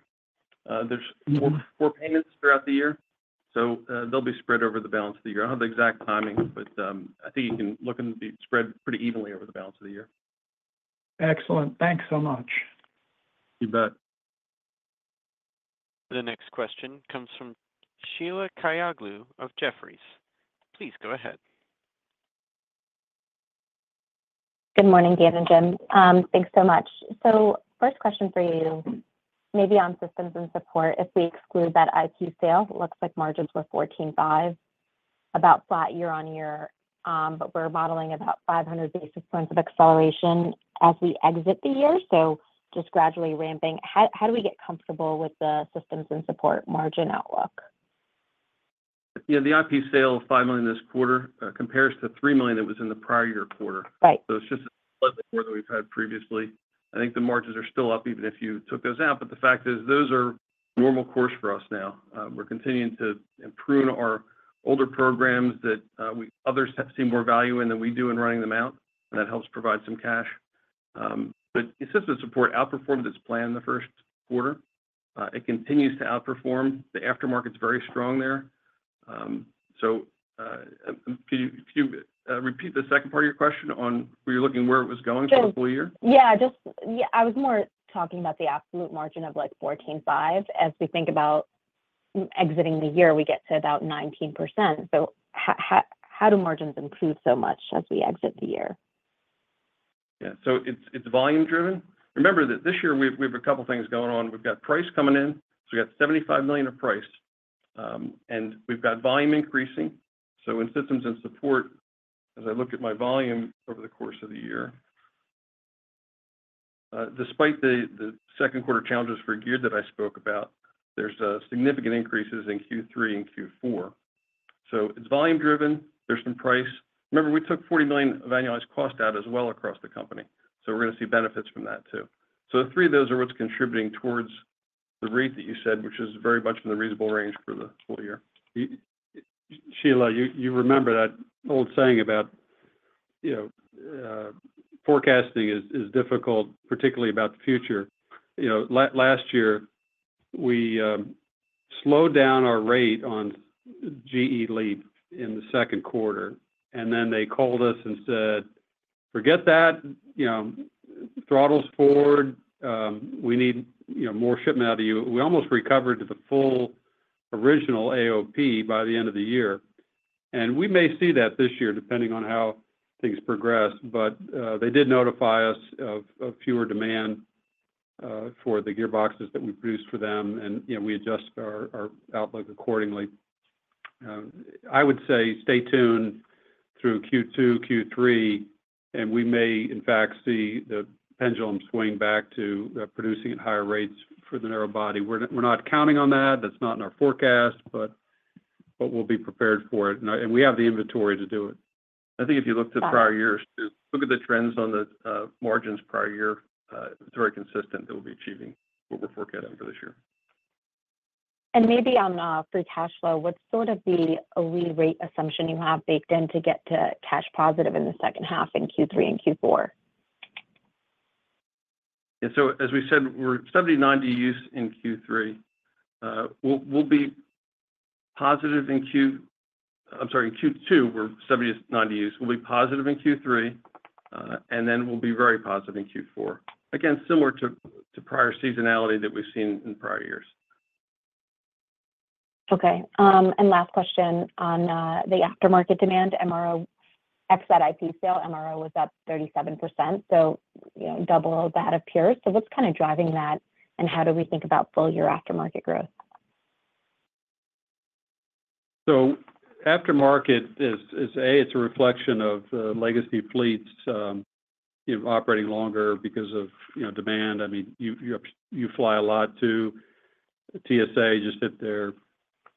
There's four- Mm-hmm four payments throughout the year, so they'll be spread over the balance of the year. I don't have the exact timing, but I think you can look at it being spread pretty evenly over the balance of the year. Excellent. Thanks so much. You bet. The next question comes from Sheila Kahyaoglu of Jefferies. Please go ahead. Good morning, Dan and Jim. Thanks so much. So first question for you, maybe on systems and support. If we exclude that IP sale, it looks like margins were 14.5%, about flat year-over-year. But we're modeling about 500 basis points of acceleration as we exit the year, so just gradually ramping. How do we get comfortable with the systems and support margin outlook? Yeah, the IP sale of $5 million this quarter compares to $3 million that was in the prior year quarter. Right. So it's just a little bit more than we've had previously. I think the margins are still up, even if you took those out, but the fact is those are normal course for us now. We're continuing to improve our older programs that others have seen more value in than we do in running them out, and that helps provide some cash. But aftermarket support outperformed as planned in the first quarter. It continues to outperform. The aftermarket's very strong there. Could you repeat the second part of your question? Were you looking where it was going for the full year? So, I was more talking about the absolute margin of, like, 14.5%. As we think about exiting the year, we get to about 19%. So how do margins improve so much as we exit the year? Yeah. So it's volume driven. Remember that this year we have a couple things going on. We've got price coming in, so we've got $75 million of price, and we've got volume increasing. So in systems and support, as I look at my volume over the course of the year, despite the second quarter challenges for gear that I spoke about, there's significant increases in Q3 and Q4. So it's volume driven, there's some price. Remember, we took $40 million of annualized cost out as well across the company, so we're gonna see benefits from that too. So the three of those are what's contributing towards the rate that you said, which is very much in the reasonable range for the full year. Sheila, you remember that old saying about, you know, forecasting is difficult, particularly about the future. You know, last year, we slowed down our rate on GE LEAP in the second quarter, and then they called us and said, "Forget that, you know, throttles forward. We need, you know, more shipment out of you." We almost recovered to the full original AOP by the end of the year. And we may see that this year, depending on how things progress, but they did notify us of fewer demand for the gearboxes that we produce for them, and, you know, we adjust our outlook accordingly. I would say stay tuned through Q2, Q3, and we may, in fact, see the pendulum swing back to producing at higher rates for the narrow body. We're not counting on that, that's not in our forecast, but we'll be prepared for it. And we have the inventory to do it. I think if you looked at prior years, look at the trends on the margins prior year. It's very consistent that we'll be achieving what we're forecasting for this year. And maybe on free cash flow, what's sort of the re-rate assumption you have baked in to get to cash positive in the second half in Q3 and Q4? Yeah. So as we said, in Q2, we're 70-90 use. We'll be positive in Q3, and then we'll be very positive in Q4. Again, similar to prior seasonality that we've seen in prior years. Okay. And last question. On the aftermarket demand, MRO, except IP sale, MRO was up 37%, so, you know, double that appears. So what's kind of driving that, and how do we think about full year aftermarket growth? So aftermarket is, it's a reflection of legacy fleets operating longer because of, you know, demand. I mean, you fly a lot. TSA just hit their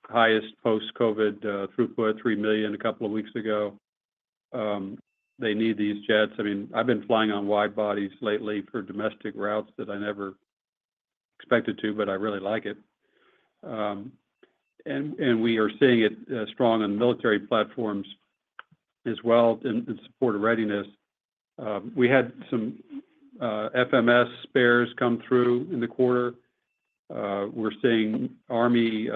highest post-COVID throughput, 3 million, a couple of weeks ago. They need these jets. I mean, I've been flying on wide bodies lately for domestic routes that I never expected to, but I really like it. And we are seeing it strong on military platforms as well in support of readiness. We had some FMS spares come through in the quarter. We're seeing Army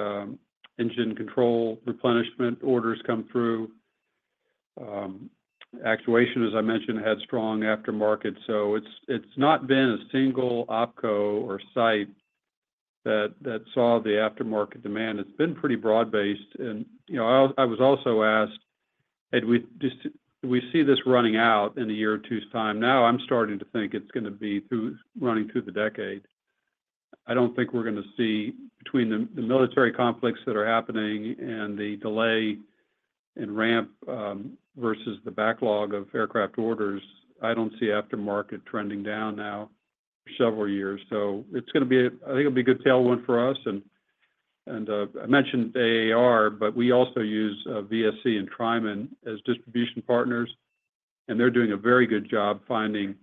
engine control replenishment orders come through. Actuation, as I mentioned, had strong aftermarket, so it's not been a single opco or site that saw the aftermarket demand. It's been pretty broad-based. You know, I was also asked, do we see this running out in a year or two's time? Now, I'm starting to think it's gonna be through, running through the decade. I don't think we're gonna see between the military conflicts that are happening and the delay in ramp versus the backlog of aircraft orders, I don't see aftermarket trending down now for several years. So it's gonna be a good tailwind for us. And I mentioned AAR, but we also use VSE and Triman as distribution partners, and they're doing a very good job finding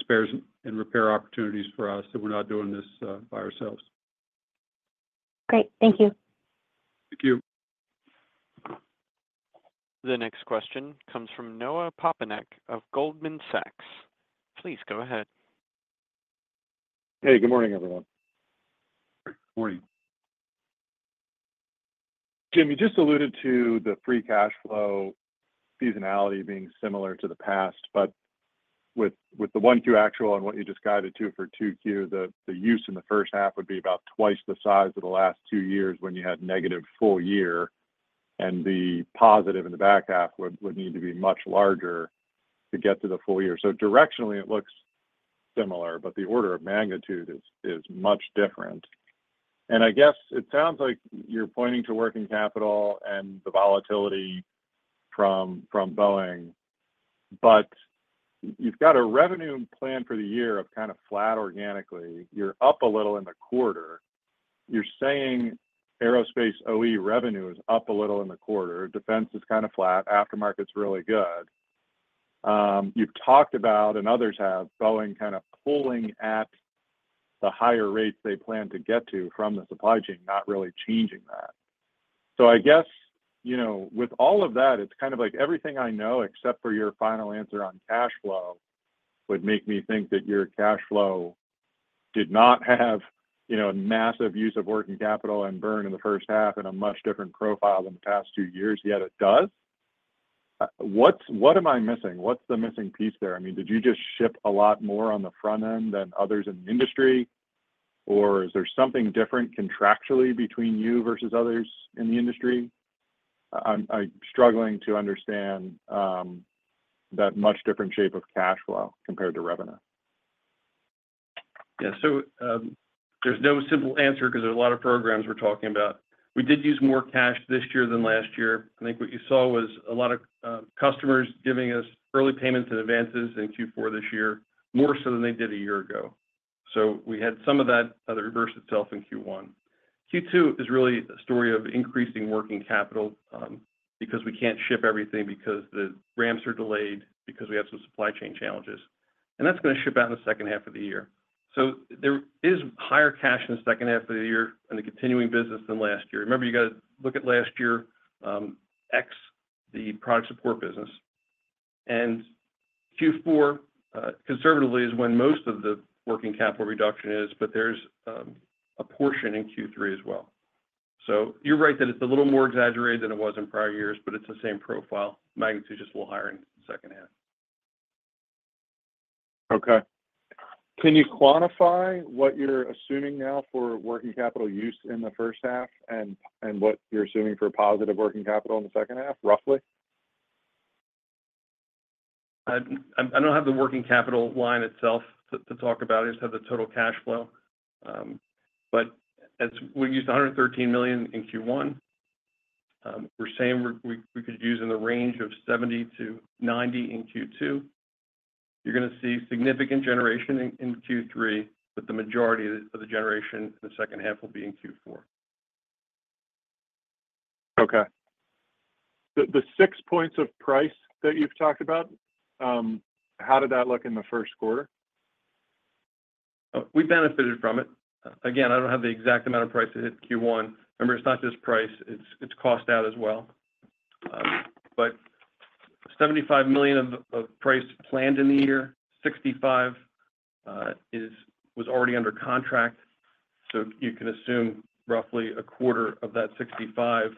spares and repair opportunities for us, so we're not doing this by ourselves. Great. Thank you. Thank you. The next question comes from Noah Poponak of Goldman Sachs. Please go ahead. Hey, good morning, everyone. Good morning. Jim, you just alluded to the free cash flow seasonality being similar to the past, but with the 1, 2 actual and what you just guided 2 for 2Q, the use in the first half would be about twice the size of the last 2 years when you had negative full year, and the positive in the back half would need to be much larger to get to the full year. So directionally, it looks similar, but the order of magnitude is much different. And I guess it sounds like you're pointing to working capital and the volatility from Boeing, but you've got a revenue plan for the year of kind of flat organically. You're up a little in the quarter. You're saying aerospace OE revenue is up a little in the quarter, defense is kind of flat, aftermarket is really good.... You've talked about, and others have, Boeing kind of pulling at the higher rates they plan to get to from the supply chain, not really changing that. So I guess, you know, with all of that, it's kind of like everything I know, except for your final answer on cash flow, would make me think that your cash flow did not have, you know, a massive use of working capital and burn in the first half and a much different profile than the past two years, yet it does. What am I missing? What's the missing piece there? I mean, did you just ship a lot more on the front end than others in the industry? Or is there something different contractually between you versus others in the industry? I'm struggling to understand that much different shape of cash flow compared to revenue. Yeah. So, there's no simple answer because there's a lot of programs we're talking about. We did use more cash this year than last year. I think what you saw was a lot of customers giving us early payments and advances in Q4 this year, more so than they did a year ago. So we had some of that kind of reverse itself in Q1. Q2 is really a story of increasing working capital, because we can't ship everything, because the ramps are delayed, because we have some supply chain challenges, and that's gonna ship out in the second half of the year. So there is higher cash in the second half of the year in the continuing business than last year. Remember, you got to look at last year, ex the Product Support business. Q4 conservatively is when most of the working capital reduction is, but there's a portion in Q3 as well. So you're right that it's a little more exaggerated than it was in prior years, but it's the same profile. Magnitude's just a little higher in the second half. Okay. Can you quantify what you're assuming now for working capital use in the first half and what you're assuming for positive working capital in the second half, roughly? I don't have the working capital line itself to talk about. I just have the total cash flow. But as we used $113 million in Q1, we're saying we could use in the range of $70 million-$90 million in Q2. You're gonna see significant generation in Q3, but the majority of the generation in the second half will be in Q4. Okay. The six points of price that you've talked about, how did that look in the first quarter? We benefited from it. Again, I don't have the exact amount of price that hit Q1. Remember, it's not just price, it's cost out as well. But $75 million of price planned in the year, 65 was already under contract, so you can assume roughly a quarter of that 65.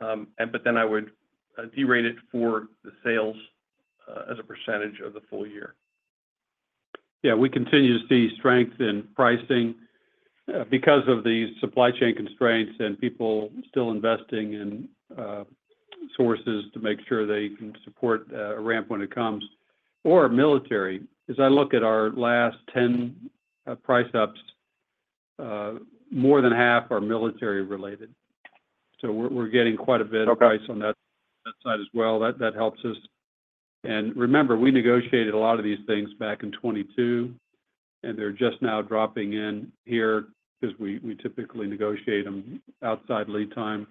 And but then I would derate it for the sales as a percentage of the full year. Yeah, we continue to see strength in pricing, because of the supply chain constraints and people still investing in, sources to make sure they can support, a ramp when it comes. Or military, as I look at our last 10, price ups, more than half are military related. So we're getting quite a bit- Okay of price on that side as well. That helps us. And remember, we negotiated a lot of these things back in 2022, and they're just now dropping in here because we typically negotiate them outside lead time,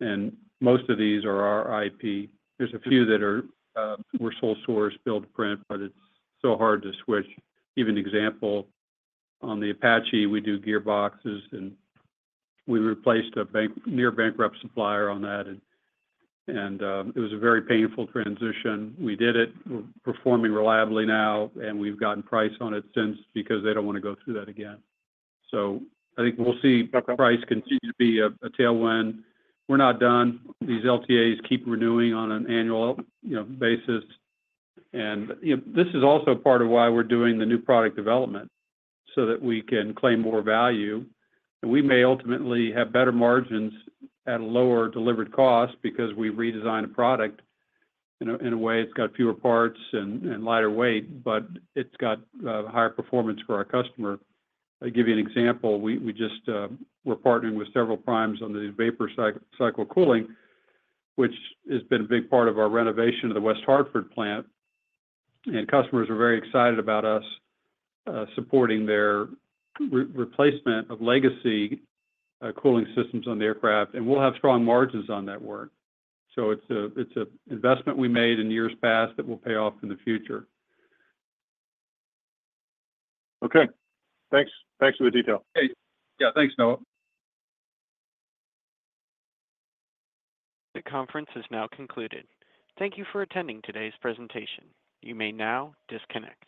and most of these are our IP. There's a few that are, we're sole source build-to-print, but it's so hard to switch. Give an example, on the Apache, we do gearboxes, and we replaced a near-bankrupt supplier on that, and it was a very painful transition. We did it. We're performing reliably now, and we've gotten price on it since because they don't want to go through that again. So I think we'll see- Okay Prices continue to be a tailwind. We're not done. These LTAs keep renewing on an annual, you know, basis. And, you know, this is also part of why we're doing the new product development, so that we can claim more value. And we may ultimately have better margins at a lower delivered cost because we've redesigned a product in a way, it's got fewer parts and lighter weight, but it's got higher performance for our customer. I'll give you an example. We just we're partnering with several primes on the vapor cycle cooling, which has been a big part of our renovation of the West Hartford plant. And customers are very excited about us supporting their replacement of legacy cooling systems on the aircraft, and we'll have strong margins on that work. It's an investment we made in years past that will pay off in the future. Okay, thanks. Thanks for the detail. Hey. Yeah. Thanks, Noah. The conference is now concluded. Thank you for attending today's presentation. You may now disconnect.